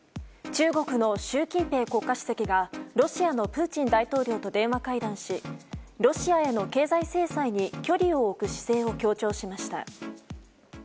中国の習近平国家主席がロシアのプーチン大統領と電話会談しロシアへの経済制裁に距離を置く姿勢を強調しました。